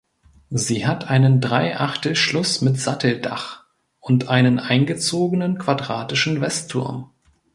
Sie hat einen Dreiachtelschluss mit Satteldach und einen eingezogenen quadratischen Westturm.